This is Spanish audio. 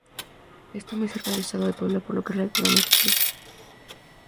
Está muy cerca del estado de Puebla, por lo que es relativamente frío.